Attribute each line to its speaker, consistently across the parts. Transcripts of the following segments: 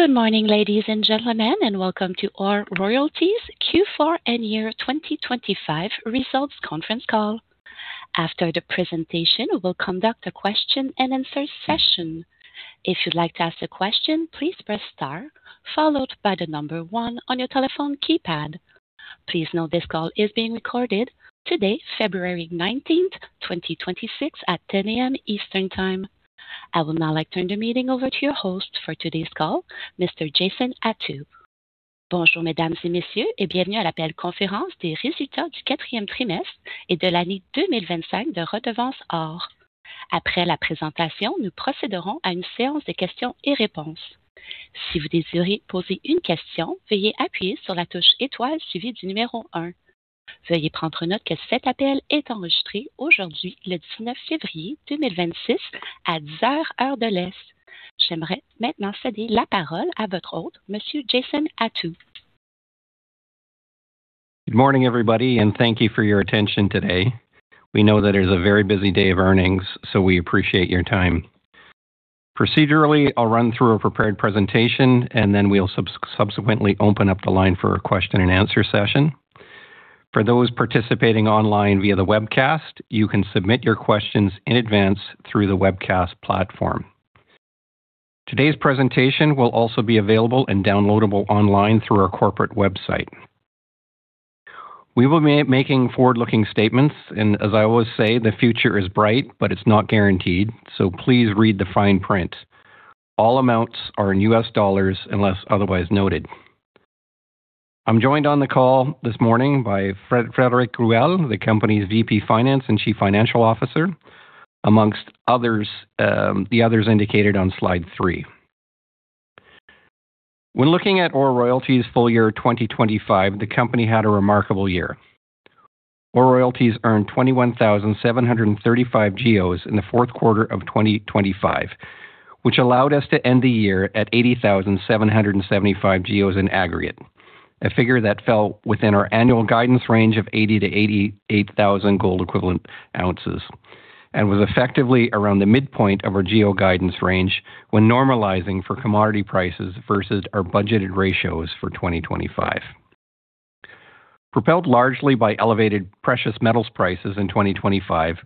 Speaker 1: Good morning, ladies and gentlemen, and welcome to our Osisko Gold Royalties Veuillez prendre note que cet appel est enregistré aujourd'hui, le 19 février 2026, à 10:00 A.M., heure de l'Est. J'aimerais maintenant céder la parole à votre hôte, Monsieur Jason Attew.
Speaker 2: Good morning, everybody, and thank you for your attention today. We know this is a very busy earnings day, so we appreciate your time. Procedurally, I'll run through a prepared presentation, and then we'll subsequently open up the line for a question-and-answer session. For those participating online via the webcast, you can submit your questions in advance through the webcast platform. Today's presentation will also be available and downloadable online through our corporate website. We will be making forward-looking statements, and as I always say, the future is bright, but it's not guaranteed, so please read the fine print. All amounts are in U.S. dollars unless otherwise noted. I'm joined on the call this morning by Frédéric Ruel, the company's VP Finance and Chief Financial Officer, amongst others, as indicated on slide three. When looking at OR Royalties' full year 2025, the company had a remarkable year. OR Royalties earned 21,735 GEOs in Q4 2025, which allowed us to end the year at 80,775 GEOs in aggregate, a figure that fell within our annual guidance range of 80,000-88,000 gold equivalent ounces, and was effectively around the midpoint of our GEO guidance range when normalizing for commodity prices versus our budgeted ratios for 2025. Propelled largely by elevated precious metals prices in 2025,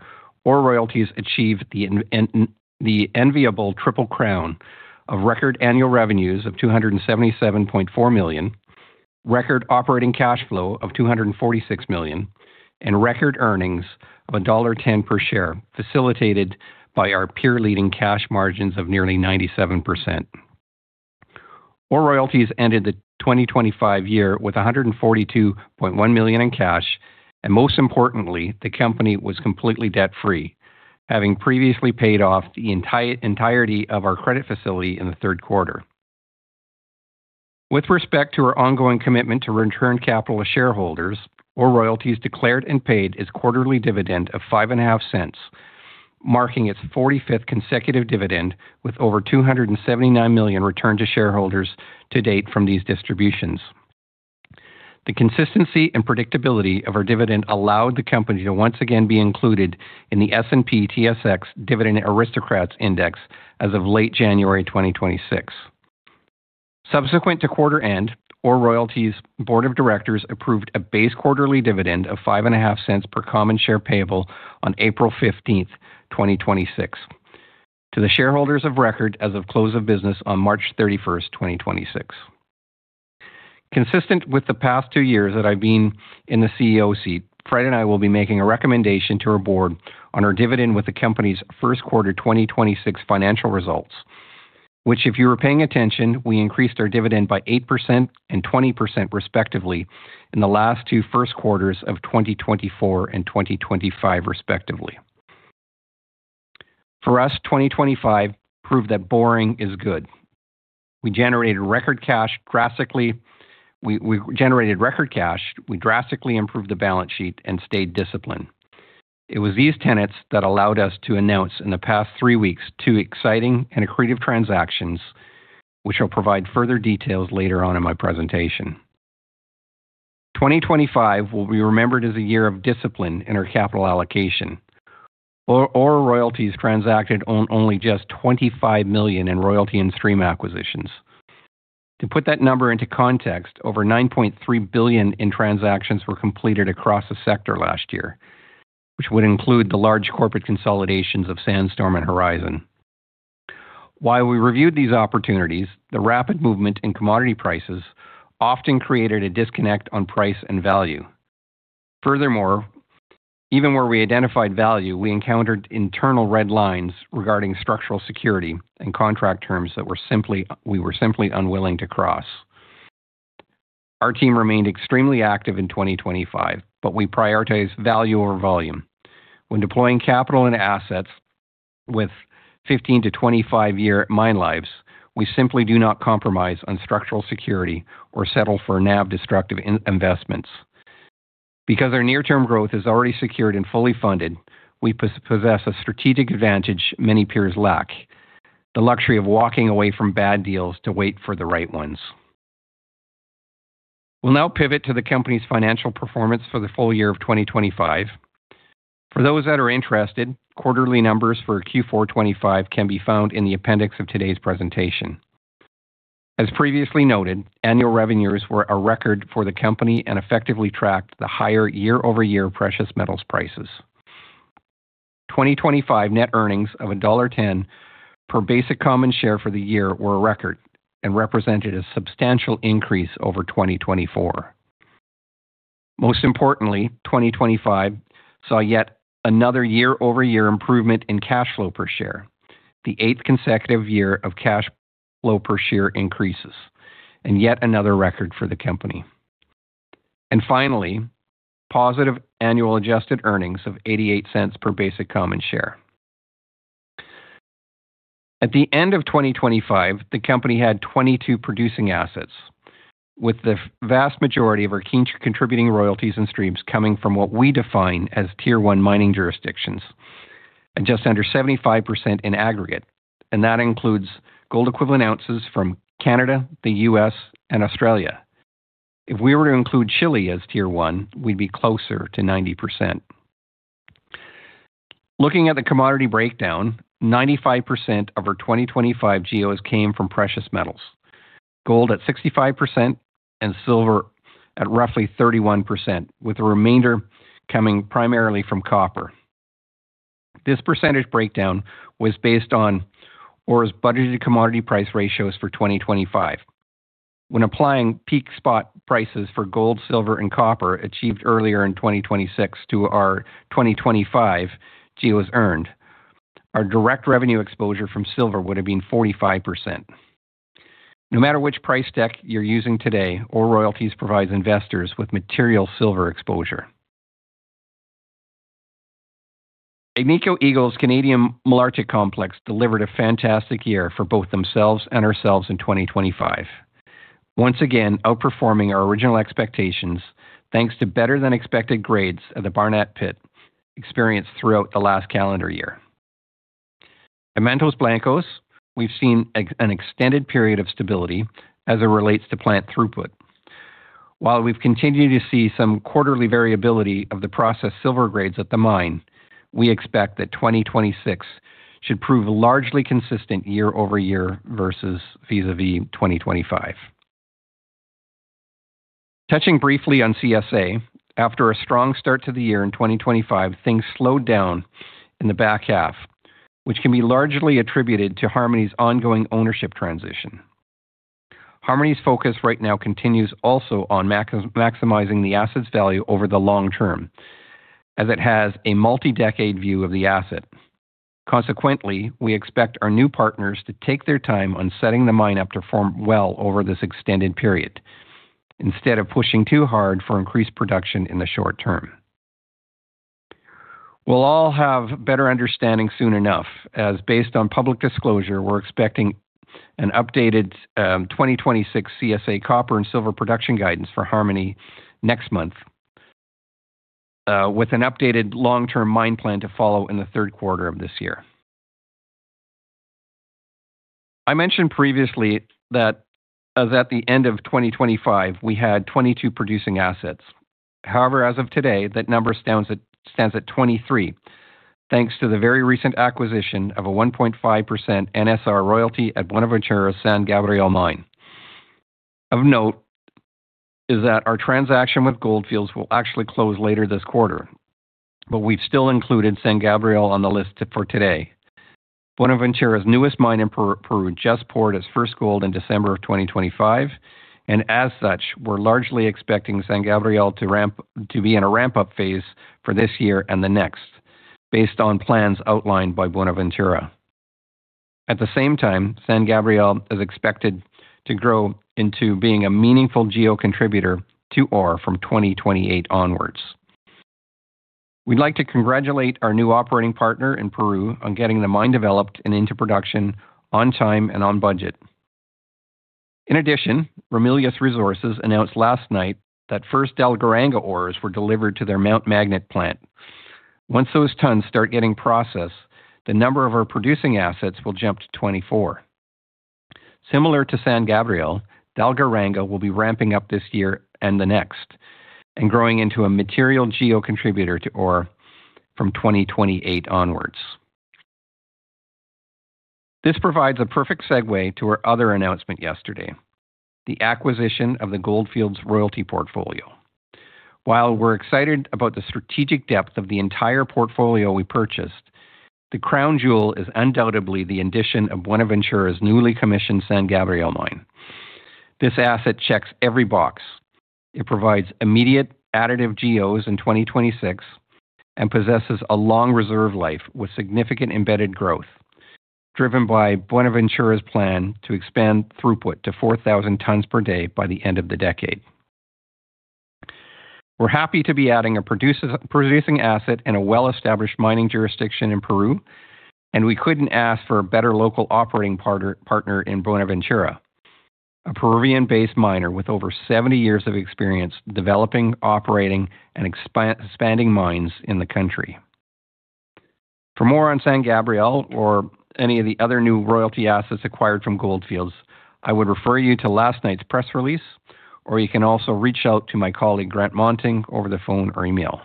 Speaker 2: OR Royalties achieved the enviable triple crown of record annual revenues of $277.4 million, record operating cash flow of $246 million, and record earnings of $1.10 per share, facilitated by our peer-leading cash margins of nearly 97%. OR Royalties ended the 2025 year with $142.1 million in cash, and most importantly, the company was completely debt-free, having previously paid off the entirety of our credit facility in Q3. With respect to our ongoing commitment to return capital to shareholders, OR Royalties declared and paid its quarterly dividend of $0.055, marking its 45th consecutive dividend with over $279 million returned to shareholders to date from these distributions. The consistency and predictability of our dividend allowed the company to once again be included in the S&P/TSX Dividend Aristocrats Index as of late January 2026. Subsequent to quarter end, OR Royalties' Board of Directors approved a base quarterly dividend of $0.055 per common share payable on April 15, 2026, to the shareholders of record as of close of business on March 31, 2026. Consistent with the past two years that I've been in the CEO seat, Fred and I will be making a recommendation to our board on our dividend with the company's Q1 2026 financial results, which, if you were paying attention, we increased our dividend by 8% and 20%, respectively, in the last two Q1 of 2024 and 2025, respectively. For us, 2025 proved that boring is good. We generated record cash. We drastically improved the balance sheet and stayed disciplined. It was these tenets that allowed us to announce in the past 3 weeks, two exciting and accretive transactions, which I'll provide further details later on in my presentation. 2025 will be remembered as a year of discipline in our capital allocation. OR Royalties transacted on only just $25 million in royalty and stream acquisitions. To put that number into context, over $9.3 billion in transactions were completed across the sector last year, which would include the large corporate consolidations of Sandstorm and Horizon. While we reviewed these opportunities, the rapid movement in commodity prices often created a disconnect on price and value. Furthermore, even where we identified value, we encountered internal red lines regarding structural security and contract terms that we were simply unwilling to cross. Our team remained extremely active in 2025, but we prioritized value over volume. When deploying capital and assets with 15-25-year mine lives, we simply do not compromise on structural security or settle for NAV-destructive investments. Because our near-term growth is already secured and fully funded, we possess a strategic advantage many peers lack, the luxury of walking away from bad deals to wait for the right ones. We'll now pivot to the company's financial performance for the full year of 2025. For those that are interested, quarterly numbers for Q4 2025 can be found in the appendix of today's presentation. As previously noted, annual revenues were a record for the company and effectively tracked the higher year-over-year precious metals prices. 2025 net earnings of $1.10 per basic common share for the year were a record and represented a substantial increase over 2024. Most importantly, 2025 saw yet another year-over-year improvement in cash flow per share, the eighth consecutive year of cash flow per share increases, and yet another record for the company. And finally, positive annual adjusted earnings of $0.88 per basic common share. At the end of 2025, the company had 22 producing assets, with the vast majority of our key contributing royalties and streams coming from what we define as Tier One mining jurisdictions, and just under 75% in aggregate, and that includes gold equivalent ounces from Canada, the U.S., and Australia. If we were to include Chile as Tier One, we'd be closer to 90%. Looking at the commodity breakdown, 95% of our 2025 GEOs came from precious metals, gold at 65% and silver at roughly 31%, with the remainder coming primarily from copper. This percentage breakdown was based on OR's budgeted commodity price ratios for 2025. When applying peak spot prices for gold, silver, and copper achieved earlier in 2026 to our 2025 GEOs earned, our direct revenue exposure from silver would have been 45%. No matter which price deck you're using today, OR Royalties provides investors with material silver exposure. Agnico Eagle's Canadian Malartic Complex delivered a fantastic year for both them and us in 2025, once again outperforming our original expectations, thanks to better than expected grades at the Barnett Pit experienced throughout the last calendar year. At Mantos Blancos, we've seen an extended period of stability as it relates to plant throughput. While we've continued to see some quarterly variability of the processed silver grades at the mine, we expect that 2026 should prove largely consistent year over year versus vis-à-vis 2025. Touching briefly on CSA, after a strong start to the year in 2025, things slowed down in the back half, which can be largely attributed to Harmony's ongoing ownership transition. Harmony's focus right now continues also on maximizing the asset's value over the long term, as it has a multi-decade view of the asset. Consequently, we expect our new partners to take their time on setting the mine up to form well over this extended period, instead of pushing too hard for increased production in the short term. We’ll all have a better understanding soon enough, as based on public disclosure, we're expecting an updated 2026 CSA copper and silver production guidance for Harmony next month, with an updated long-term mine plan to follow in Q3 this year. I mentioned previously that as at the end of 2025, we had 22 producing assets. However, as of today, that number stands at 23, thanks to the very recent acquisition of a 1.5% NSR royalty at Buenaventura's San Gabriel Mine. Of note is that our transaction with Gold Fields will actually close later this quarter, but we've still included San Gabriel on the list for today. Buenaventura's newest mine in Peru just poured its first gold in December of 2025, and as such, we're largely expecting San Gabriel to be in a ramp-up phase for this year and the next, based on plans outlined by Buenaventura. At the same time, San Gabriel is expected to grow into being a meaningful GEO contributor to OR from 2028 onwards. We'd like to congratulate our new operating partner in Peru on getting the mine developed and into production on time and on budget. In addition, Ramelius Resources announced last night that first Dalgaranga ores were delivered to their Mount Magnet plant. Once those tons start getting processed, the number of our producing assets will jump to 24. Similar to San Gabriel, Dalgaranga will be ramping up this year and the next, and growing into a material GEO contributor to OR from 2028 onwards. This provides a perfect segue to our other announcement yesterday, the acquisition of the Gold Fields royalty portfolio. While we're excited about the strategic depth of the entire portfolio we purchased, the crown jewel is undoubtedly the addition of Buenaventura's newly commissioned San Gabriel mine. This asset checks every box. It provides immediate additive GEOs in 2026 and possesses a long reserve life with significant embedded growth, driven by Buenaventura's plan to expand throughput to 4,000 tons per day by the end of the decade. We're happy to be adding a producing asset in a well-established mining jurisdiction in Peru, and we couldn't ask for a better local operating partner in Buenaventura, a Peruvian-based miner with over 70 years of experience developing, operating, and expanding mines in the country.... For more on San Gabriel or any of the other new royalty assets acquired from Gold Fields, I would refer you to last night's press release, or you can also reach out to my colleague, Grant Moenting, over the phone or email.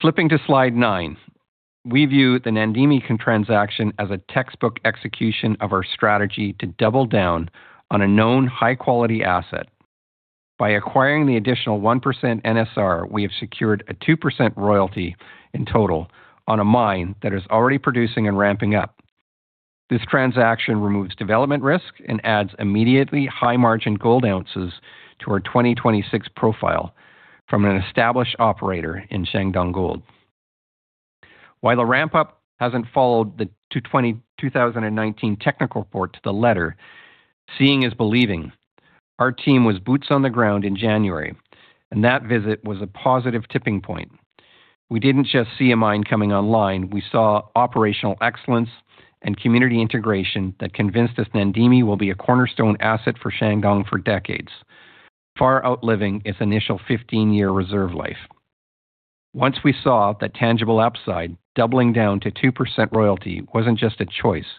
Speaker 2: Flipping to slide 9, we view the Namdini transaction as a textbook execution of our strategy to double down on a known high-quality asset. By acquiring the additional 1% NSR, we have secured a 2% royalty in total on a mine that is already producing and ramping up. This transaction removes development risk and adds immediately high-margin gold ounces to our 2026 profile from an established operator in Shandong Gold. While the ramp-up hasn't followed the 2020, 2019 technical report to the letter, seeing is believing. Our team was boots on the ground in January, and that visit was a positive tipping point. We didn't just see a mine coming online, we saw operational excellence and community integration that convinced us Namdini will be a cornerstone asset for Shandong for decades, far outliving its initial 15-year reserve life. Once we saw that tangible upside, doubling down to 2% royalty wasn't just a choice,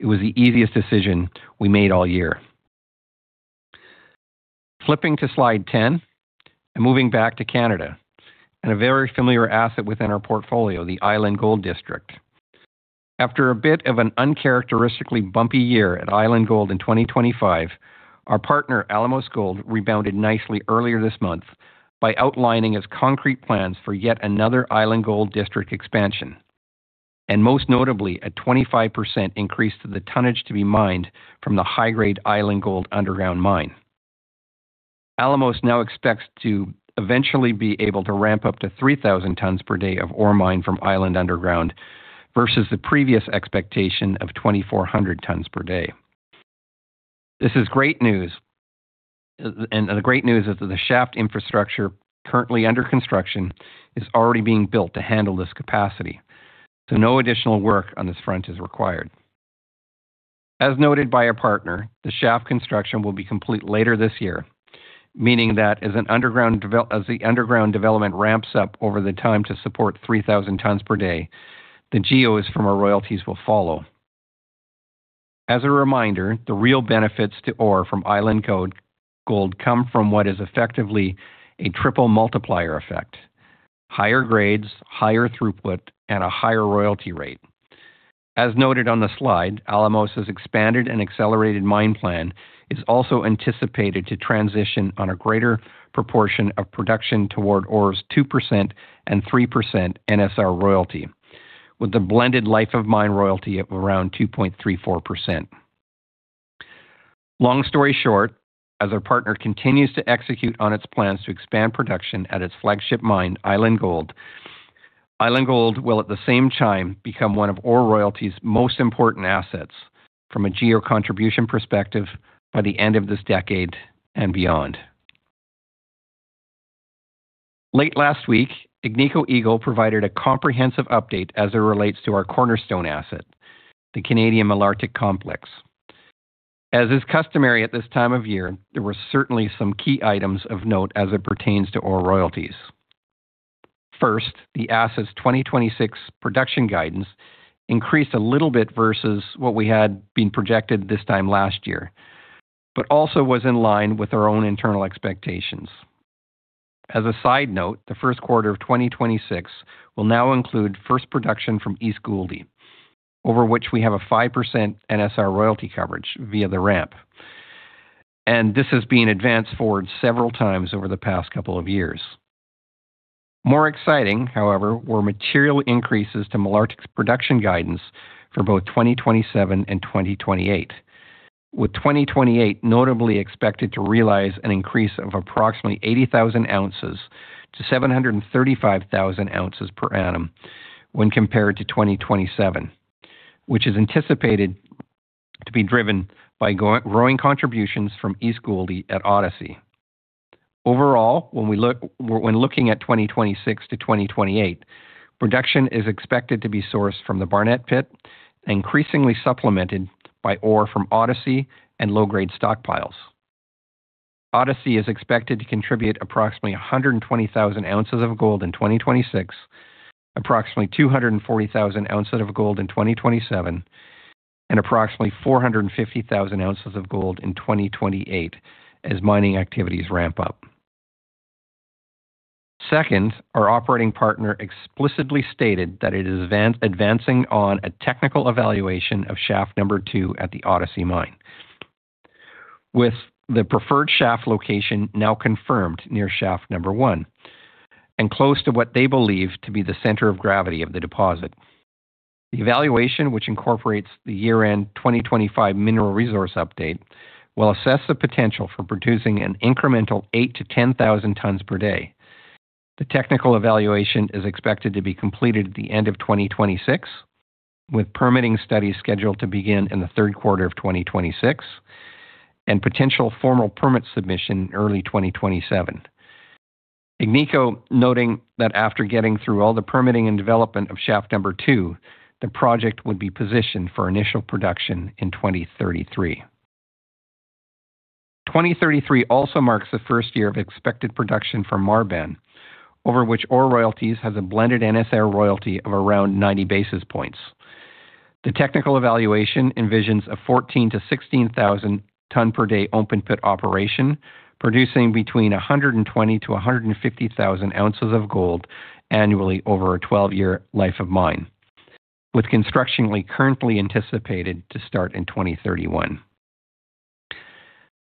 Speaker 2: it was the easiest decision we made all year. Flipping to slide 10, and moving back to Canada, and a very familiar asset within our portfolio, the Island Gold District. After a bit of an uncharacteristically bumpy year at Island Gold in 2025, our partner, Alamos Gold, rebounded nicely earlier this month by outlining its concrete plans for yet another Island Gold District expansion, and most notably, a 25% increase to the tonnage to be mined from the high-grade Island Gold underground mine. Alamos now expects to eventually be able to ramp up to 3,000 tons per day of ore mine from Island Underground, versus the previous expectation of 2,400 tons per day. This is great news, and This is great news, as the shaft infrastructure currently under construction is already being built to handle this capacity, so no additional work on this front is required. As noted by our partner, the shaft construction will be complete later this year, meaning that as the underground development ramps up over the time to support 3,000 tons per day, the GEOs from our royalties will follow. As a reminder, the real benefits to OR from Island Gold, gold come from what is effectively a triple multiplier effect: higher grades, higher throughput, and a higher royalty rate. As noted on the slide, Alamos's expanded and accelerated mine plan is also anticipated to transition on a greater proportion of production toward OR's 2% and 3% NSR royalty, with the blended life of mine royalty at around 2.34%. Long story short, as our partner continues to execute on its plans to expand production at its flagship mine, Island Gold, Island Gold will, at the same time, become one of our royalty's most important assets from a GEO contribution perspective by the end of this decade and beyond. Late last week, Agnico Eagle provided a comprehensive update as it relates to our cornerstone asset, the Canadian Malartic Complex. As is customary at this time of year, there were certainly some key items of note as it pertains to OR royalties. First, the asset's 2026 production guidance increased a little bit versus what we had been projected this time last year, but also was in line with our own internal expectations. As a side note, the Q1 of 2026 will now include first production from East Gouldie, over which we have a 5% NSR royalty coverage via the ramp, and this has been advanced forward several times over the past couple of years. More exciting, however, were material increases to Malartic's production guidance for both 2027 and 2028, with 2028 notably expected to realize an increase of approximately 80,000 ounces to 735,000 ounces per annum when compared to 2027, which is anticipated to be driven by growing contributions from East Gouldie at Odyssey. Overall, when looking at 2026 to 2028, production is expected to be sourced from the Barnett Pit, increasingly supplemented by ore from Odyssey and low-grade stockpiles. Odyssey is expected to contribute approximately 120,000 ounces of gold in 2026, approximately 240,000 ounces of gold in 2027, and approximately 450,000 ounces of gold in 2028 as mining activities ramp up. Second, our operating partner explicitly stated that it is advancing on a technical evaluation of shaft number two at the Odyssey mine, with the preferred shaft location now confirmed near shaft number one and close to what they believe to be the center of gravity of the deposit. The evaluation, which incorporates the year-end 2025 mineral resource update, will assess the potential for producing an incremental 8,000-10,000 tons per day. The technical evaluation is expected to be completed at the end of 2026, with permitting studies scheduled to begin in the Q3 of 2026, and potential formal permit submission in early 2027. Agnico, noting that after getting through all the permitting and development of shaft number two, the project would be positioned for initial production in 2033. 2033 also marks the first year of expected production from Marban, over which OR Royalties has a blended NSR royalty of around 90 basis points. The technical evaluation envisions a 14,000-16,000 ton per day open pit operation, producing between 120,000-150,000 ounces of gold annually over a 12-year life of mine, with construction we currently anticipated to start in 2031.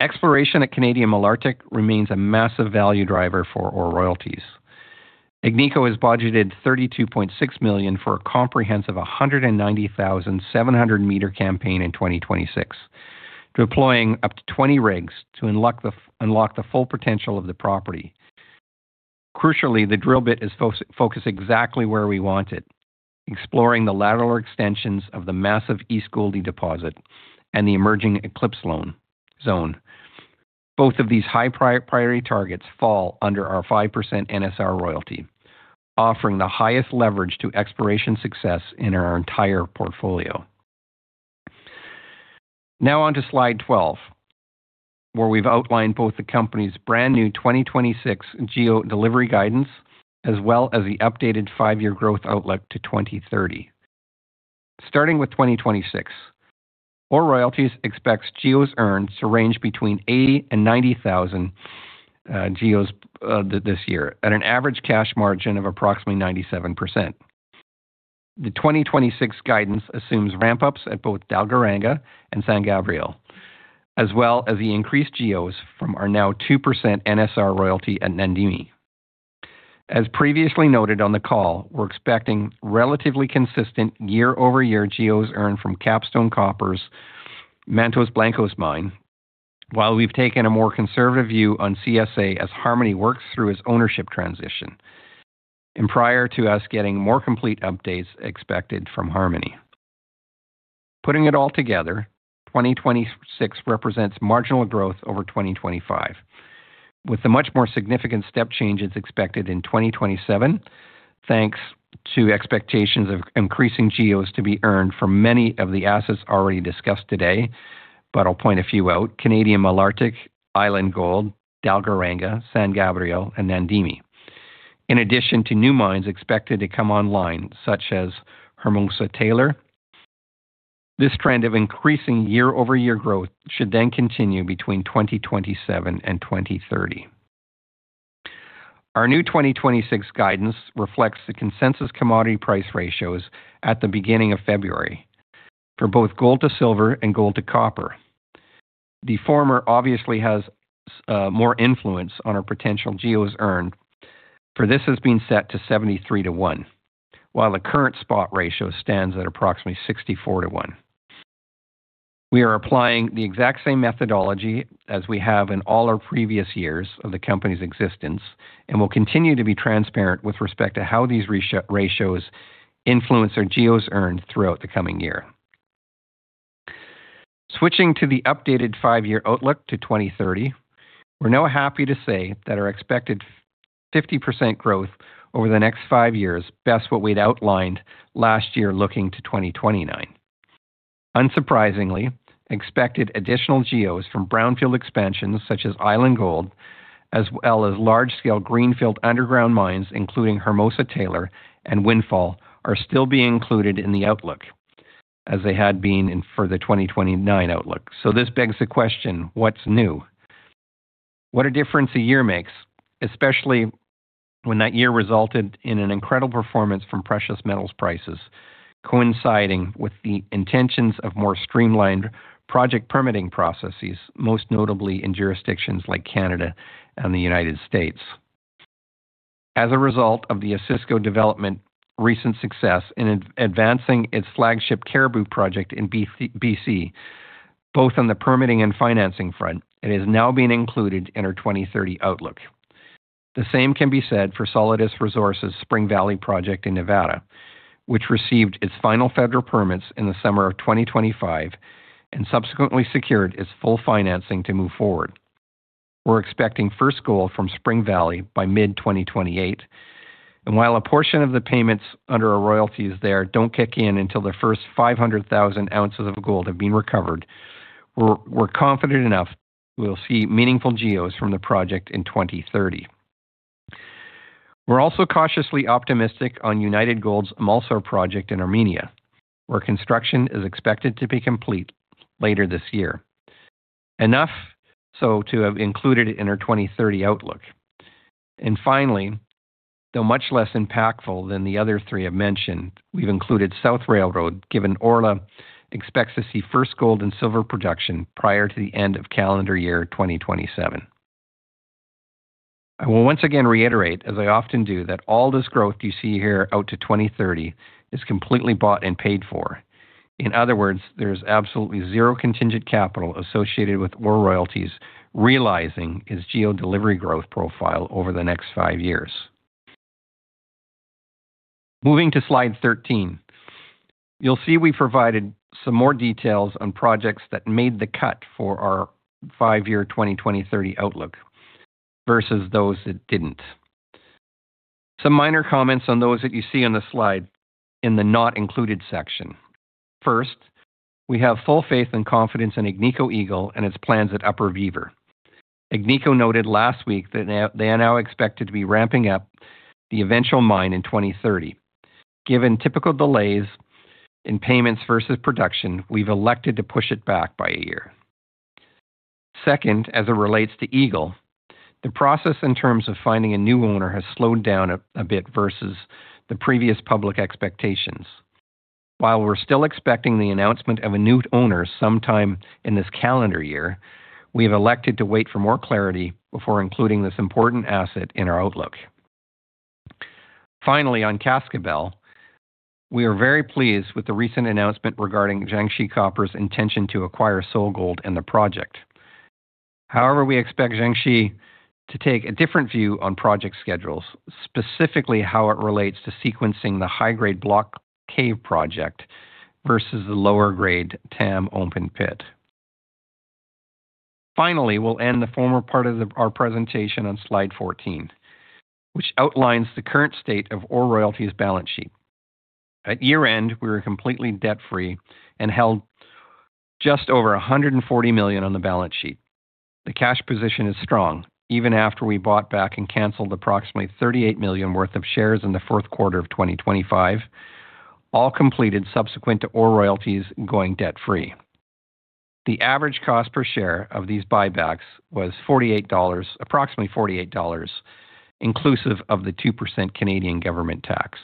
Speaker 2: Exploration at Canadian Malartic remains a massive value driver for OR Royalties. Agnico has budgeted $32.6 million for a comprehensive 190,700-meter campaign in 2026, deploying up to 20 rigs to unlock the full potential of the property. Crucially, the drill bit is focused exactly where we want it, exploring the lateral extensions of the massive East Gouldie deposit and the emerging Eclipse zone. Both of these high priority targets fall under our 5% NSR royalty, offering the highest leverage to exploration success in our entire portfolio. Now on to slide 12, where we've outlined both the company's brand new 2026 GEO delivery guidance, as well as the updated five-year growth outlook to 2030. Starting with 2026, OR Royalties expects GEOs earned to range between 80,000 and 90,000 GEOs this year, at an average cash margin of approximately 97%. The 2026 guidance assumes ramp-ups at both Dalgaranga and San Gabriel, as well as the increased GEOs from our now 2% NSR royalty at Namdini. As previously noted on the call, we're expecting relatively consistent year-over-year GEOs earned from Capstone Copper's Mantos Blancos mine, while we've taken a more conservative view on CSA as Harmony works through its ownership transition, and prior to us getting more complete updates expected from Harmony. Putting it all together, 2026 represents marginal growth over 2025, with a much more significant step change is expected in 2027, thanks to expectations of increasing GEOs to be earned from many of the assets already discussed today, but I'll point a few out: Canadian Malartic, Island Gold, Dalgaranga, San Gabriel, and Namdini. In addition to new mines expected to come online, such as Hermosa Taylor, this trend of increasing year-over-year growth should then continue between 2027 and 2030. Our new 2026 guidance reflects the consensus commodity price ratios at the beginning of February, for both gold to silver and gold to copper. The former obviously has more influence on our potential GEOs earned, for this has been set to 73-to-1, while the current spot ratio stands at approximately 64-to-1. We are applying the exact same methodology as we have in all our previous years of the company's existence, and will continue to be transparent with respect to how these ratios influence our GEOs earned throughout the coming year. Switching to the updated five-year outlook to 2030, we're now happy to say that our expected 50% growth over the next five years, exceeds what we outlined last year, looking to 2029. Unsurprisingly, expected additional GEOs from brownfield expansions, such as Island Gold, as well as large-scale greenfield underground mines, including Hermosa Taylor and Windfall, are still being included in the outlook as they had been in for the 2029 outlook. So this begs the question: What's new? What a difference a year makes, especially when that year resulted in an incredible performance from precious metals prices, coinciding with the intentions of more streamlined project permitting processes, most notably in jurisdictions like Canada and the United States. As a result of the Osisko Development recent success in advancing its flagship Cariboo project in BC both on the permitting and financing front, it is now being included in our 2030 outlook. The same can be said for Solidus Resources' Spring Valley project in Nevada, which received its final federal permits in the summer of 2025 and subsequently secured its full financing to move forward. We're expecting first gold from Spring Valley by mid-2028, and while a portion of the payments under our royalties there don't kick in until the first 500,000 ounces of gold have been recovered, we're confident enough we'll see meaningful GEOs from the project in 2030. We're also cautiously optimistic on United Gold's Amulsar project in Armenia, where construction is expected to be complete later this year. Enough so to have included it in our 2030 outlook. And finally, though much less impactful than the other three I've mentioned, we've included South Railroad, given Orla expects to see first gold and silver production prior to the end of calendar year 2027. I will once again reiterate, as I often do, that all this growth you see here out to 2030 is completely bought and paid for. In other words, there's absolutely zero contingent capital associated with OR Royalties realizing its GEO delivery growth profile over the next 5 years. Moving to slide 13, you'll see we provided some more details on projects that made the cut for our 5-year 2030 outlook versus those that didn't. Some minor comments on those that you see on the slide in the Not Included section. First, we have full faith and confidence in Agnico Eagle and its plans at Upper Beaver. Agnico noted last week that they are now expected to be ramping up the eventual mine in 2030. Given typical delays in payments versus production, we've elected to push it back by a year. Second, as it relates to Eagle, the process in terms of finding a new owner has slowed down a bit versus the previous public expectations. While we're still expecting the announcement of a new owner sometime in this calendar year, we have elected to wait for more clarity before including this important asset in our outlook. Finally, on Cascabel, we are very pleased with the recent announcement regarding Jiangxi Copper's intention to acquire SolGold and the project. However, we expect Jiangxi to take a different view on project schedules, specifically how it relates to sequencing the high-grade Block Cave project versus the lower grade Tam open pit. Finally, we'll end the former part of our presentation on slide 14, which outlines the current state of OR Royalties' balance sheet. At year-end, we were completely debt-free and held just over $140 million on the balance sheet. The cash position is strong, even after we bought back and canceled approximately $38 million worth of shares in Q4 2025, all completed subsequent to OR Royalties going debt-free. The average cost per share of these buybacks was $48, approximately $48, inclusive of the 2% Canadian government tax.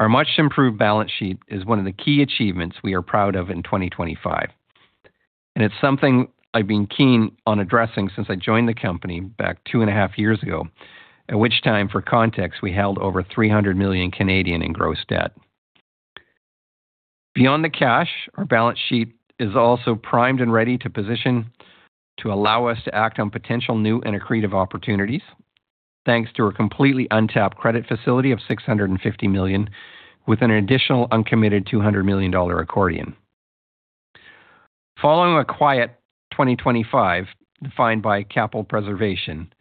Speaker 2: Our much improved balance sheet is one of the key achievements we are proud of in 2025, and it's something I've been keen on addressing since I joined the company back two and a half years ago, at which time, for context, we held over 3 million in gross debt. Beyond the cash, Our balance sheet is also primed and ready to allow us to act on potential new and accretive opportunities, thanks to a completely untapped credit facility of $650 million, with an additional uncommitted $2 million accordion. Following a quiet 2025, defined by capital preservation,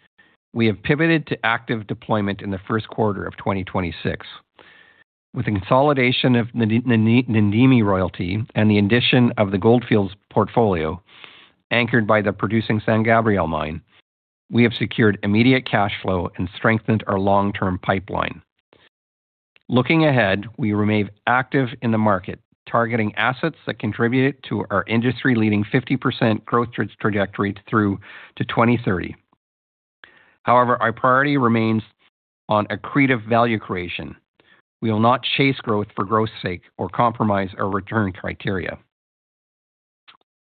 Speaker 2: we have pivoted to active deployment in Q1 2026. With the consolidation of the Namdini royalty and the addition of the Gold Fields portfolio, anchored by the producing San Gabriel mine, we have secured immediate cash flow and strengthened our long-term pipeline. Looking ahead, we remain active in the market, targeting assets that contribute to our industry-leading 50% growth trajectory through to 2030. However, our priority remains on accretive value creation. We will not chase growth for growth's sake or compromise our return criteria.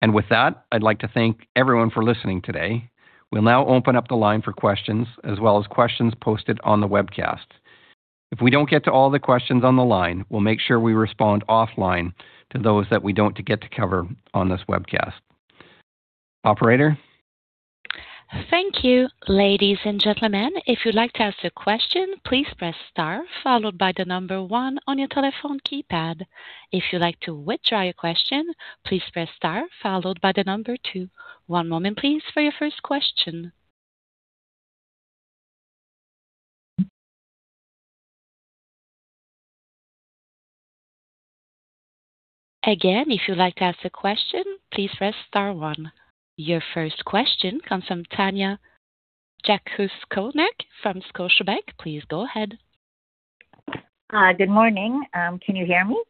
Speaker 2: And with that, I'd like to thank everyone for listening today. We'll now open up the line for questions, as well as questions posted on the webcast. If we don't get to all the questions on the line, we'll make sure we respond offline to those that we don't get to cover on this webcast. Operator?
Speaker 1: Thank you, ladies and gentlemen. If you'd like to ask a question, please press star, followed by the number one on your telephone keypad. If you'd like to withdraw your question, please press star followed by the number two. One moment, please, for your first question. Again, if you'd like to ask a question, please press star one. Your first question comes from Tanya Jakusconek from Scotiabank. Please go ahead.
Speaker 3: Good morning. Can you hear me?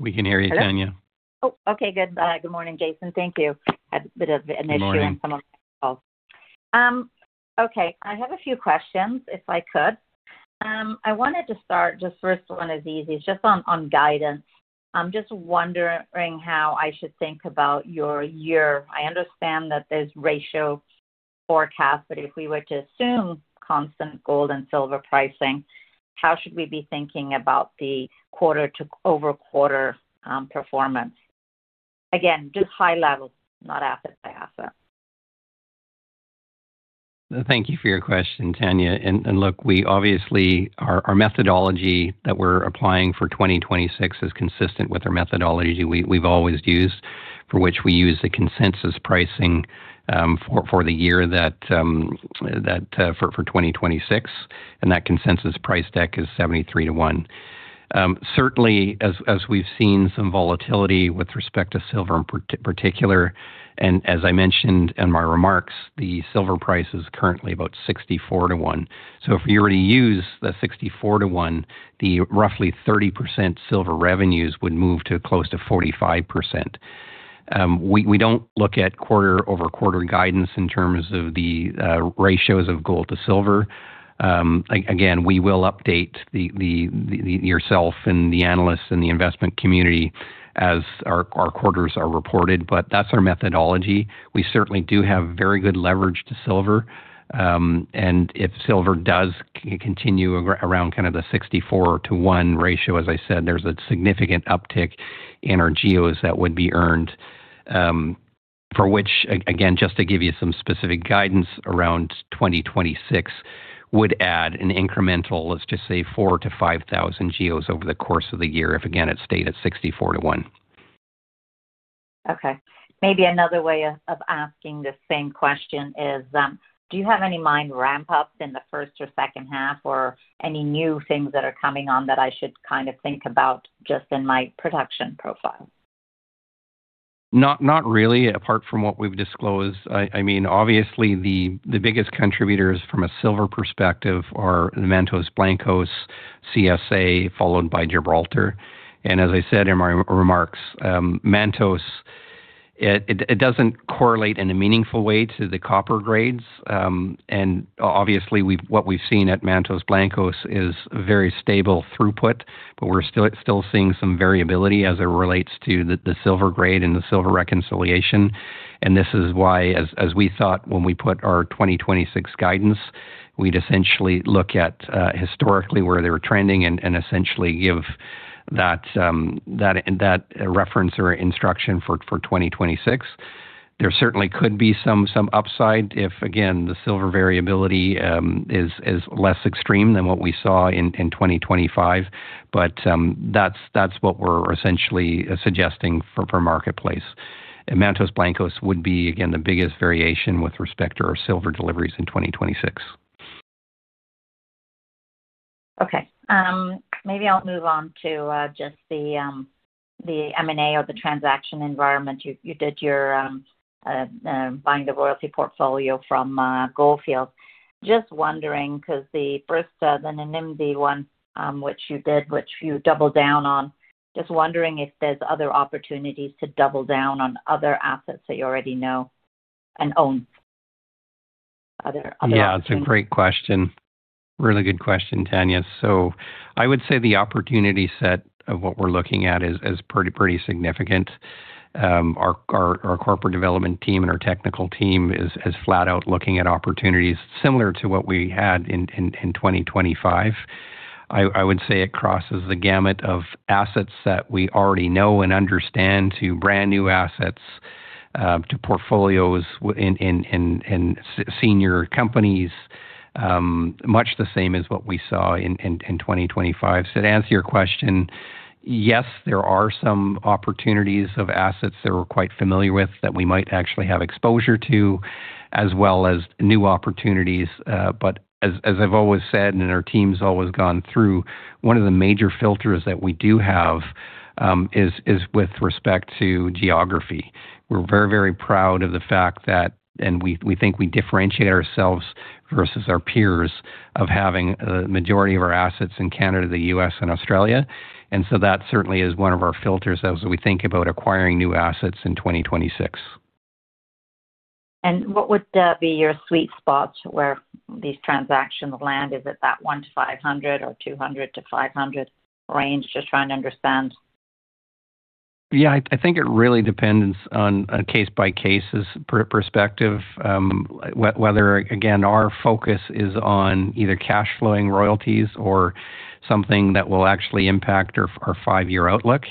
Speaker 2: We can hear you, Tanya.
Speaker 3: Hello, okay, Good morning, Jason. Thank you. Had a bit of an issue.
Speaker 2: Good morning
Speaker 3: In some of my calls. Okay, I have a few questions, if I could. I wanted to start, just the first one is easy, just on guidance. I'm just wondering how I should think about your year. I understand that there's royalty forecast, but if we were to assume constant gold and silver pricing, how should we be thinking about the quarter-over-quarter performance? Again, just high level, not asset by asset.
Speaker 2: Thank you for your question, Tanya. And look, we obviously our methodology that we're applying for 2026 is consistent with our methodology we've always used, for which we use the consensus pricing for the year that for 2026, and that consensus price deck is 73-to-1. Certainly, as we've seen some volatility with respect to silver in particular, and as I mentioned in my remarks, the silver price is currently about 64-to-1. So if you were to use the 64-to-1, the roughly 30% silver revenues would move to close to 45%. We don't look at quarter-over-quarter guidance in terms of the ratios of gold to silver. Again, we will update you and the analysts and the investment community as our quarters are reported, but that's our methodology. We certainly do have very good leverage to silver. And if silver does continue around kind of the 64-to-1 ratio, as I said, there's a significant uptick in our GEOs that would be earned. To give you some specific guidance, around 2026 would add an incremental, let's just say, 4,000-5,000 GEOs over the course of the year, if again, it stayed at 64-to-1.
Speaker 3: Okay, maybe another way of asking the same question is, do you have any mine ramp-ups in the first or second half, or any new things that are coming on that I should kind of think about just in my production profile?
Speaker 2: No, not really, apart from what we've disclosed. I mean, obviously, the biggest contributors from a silver perspective are Mantos Blancos, CSA, followed by Gibraltar. And as I said in my remarks, Mantos, it doesn't correlate in a meaningful way to the copper grades. And obviously, what we've seen at Mantos Blancos is very stable throughput, but we're still seeing some variability as it relates to the silver grade and the silver reconciliation. And this is why, as we thought when we put our 2026 guidance, we'd essentially look at historically, where they were trending and essentially give that reference or instruction for 2026. There certainly could be some upside if, again, the silver variability is less extreme than what we saw in 2025. But, that's what we're essentially suggesting for marketplace. And Mantos Blancos would be, again, the biggest variation with respect to our silver deliveries in 2026.
Speaker 3: Okay, maybe I'll move on to just the M&A or the transaction environment. You did your buying the royalty portfolio from Gold Fields. Just wondering, because the first, the Namdini one, which you did, which you doubled down on, just wondering if there's other opportunities to double down on other assets that you already know and own. Are there other-
Speaker 2: It’s a great question. Really good question, Tanya. So I would say the opportunity set of what we're looking at is pretty significant. Our corporate development team and our technical team is flat out looking at opportunities similar to what we had in 2025. I would say it crosses the gamut of assets that we already know and understand, to brand-new assets, to portfolios in senior companies, much the same as what we saw in 2025. So to answer your question, yes, there are some opportunities of assets that we're quite familiar with that we might actually have exposure to, as well as new opportunities. But as I've always said, and our team's always gone through, one of the major filters that we do have is with respect to geography. We're very, very proud of the fact that, and we think we differentiate ourselves versus our peers, of having a majority of our assets in Canada, the U.S., and Australia. And so that certainly is one of our filters as we think about acquiring new assets in 2026.
Speaker 3: What would be your sweet spots where these transactions land? Is it that 1-500 or 200-500 range? Just trying to understand.
Speaker 2: I think it really depends on a case-by-case perspective, whether, again, our focus is on either cash flowing royalties or something that will actually impact our five-year outlook.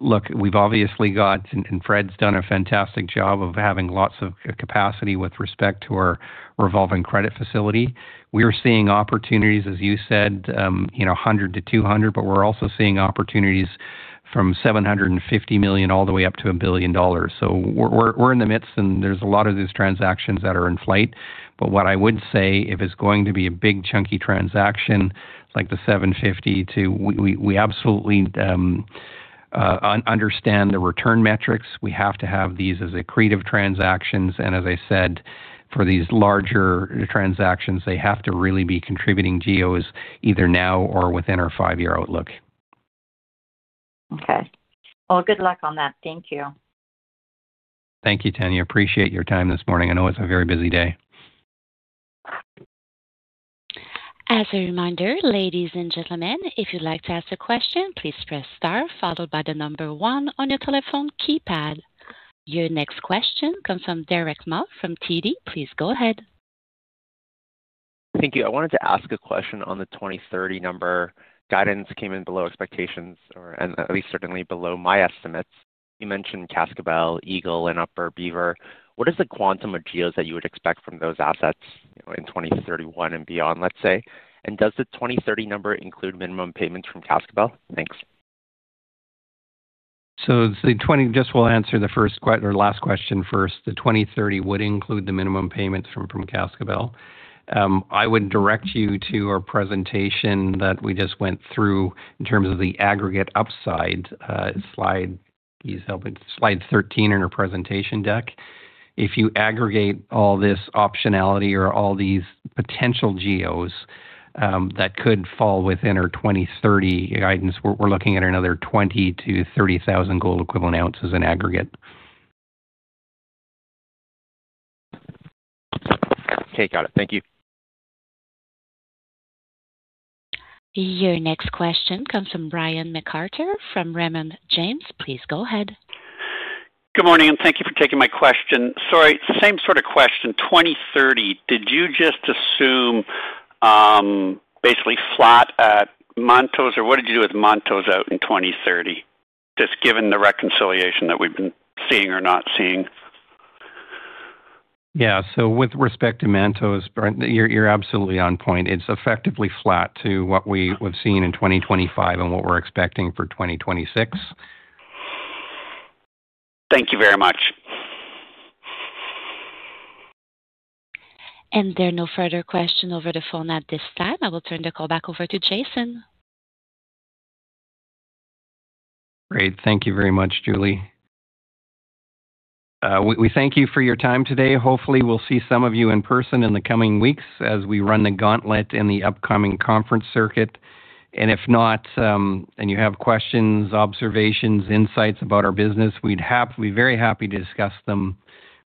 Speaker 2: Look, we've obviously got, and Fred's done a fantastic job of having lots of capacity with respect to our revolving credit facility. We are seeing opportunities, as you said, you know, $100-$200 million, but we're also seeing opportunities from $750 million all the way up to $1 billion. So we're in the midst, and there's a lot of these transactions that are in flight. But what I would say, if it's going to be a big, chunky transaction, like the 750 too, we absolutely understand the return metrics. We have to have these as accretive transactions, and as I said, for these larger transactions, they have to really be contributing GEOs, either now or within our five-year outlook.
Speaker 3: Okay. Well, good luck on that. Thank you.
Speaker 2: Thank you, Tanya. Appreciate your time this morning. I know it's a very busy day.
Speaker 1: As a reminder, ladies and gentlemen, if you'd like to ask a question, please press star followed by the number 1 on your telephone keypad. Your next question comes from Derick Ma from TD. Please go ahead.
Speaker 4: Thank you. I wanted to ask a question on the 2030 number. Guidance came in below expectations or, and at least certainly below my estimates. You mentioned Cascabel, Eagle, and Upper Beaver. What is the quantum of GEOs that you would expect from those assets in 2031 and beyond, let's say? And does the 2030 number include minimum payments from Cascabel? Thanks.
Speaker 2: So the 2030... Just will answer the first or last question first. The 2030 would include the minimum payments from, from Cascabel. I would direct you to our presentation that we just went through in terms of the aggregate upside, slide. Please help with slide 13 in our presentation deck. If you aggregate all this optionality or all these potential GEOs, that could fall within our 2030 guidance, we're looking at another 20,000-30,000 gold equivalent ounces in aggregate.
Speaker 4: Okay, got it. Thank you.
Speaker 1: Your next question comes from Brian MacArthur, from Raymond James. Please go ahead.
Speaker 5: Good morning, and thank you for taking my question. Sorry, same sort of question. 2030, did you just assume basically flat at Mantos, or what did you do with Mantos out in 2030? Just given the reconciliation that we've been seeing or not seeing.
Speaker 2: So with respect to Mantos, Brian, you’re absolutely on point. It's effectively flat to what we, we've seen in 2025 and what we're expecting for 2026.
Speaker 5: Thank you very much.
Speaker 1: There are no further questions over the phone at this time. I will turn the call back over to Jason.
Speaker 2: Great. Thank you very much, Julie. We thank you for your time today. Hopefully, we'll see some of you in person in the coming weeks as we run the gauntlet in the upcoming conference circuit. And if not, and you have questions, observations, insights about our business, we'd be very happy to discuss them.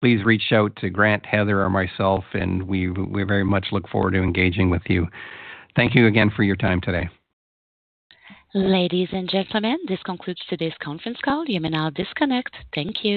Speaker 2: Please reach out to Grant, Heather, or myself, and we very much look forward to engaging with you. Thank you again for your time today.
Speaker 1: Ladies and gentlemen, this concludes today's conference call. You may now disconnect. Thank you.